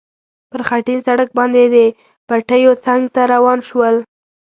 پر خټین سړک باندې د پټیو څنګ ته روان شول.